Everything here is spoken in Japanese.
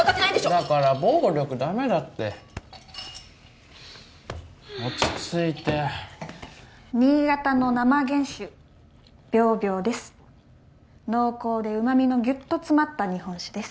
だから暴力ダメだって落ち着いて新潟の生原酒びょうびょうです濃厚で旨味のぎゅっと詰まった日本酒です